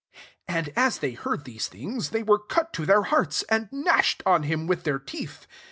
54 And as they heard these thingS) they were cut to their hearts; and gnashed on him with their teeth.